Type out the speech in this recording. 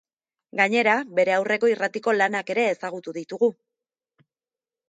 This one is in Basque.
Gainera, bere aurreko irratiko lanak ere ezagutu ditugu.